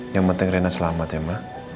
yang penting rina selamat ya ma